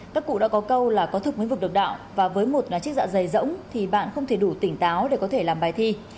các cụ đã có câu là có thực lĩnh vực độc đạo và với một chiếc dạ dày rỗng thì bạn không thể đủ tỉnh táo để có thể làm bài thi